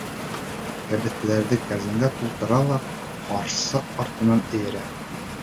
Кәбеҫтәләрҙе кәрзингә тултыра ла ҡарсыҡ артынан эйәрә.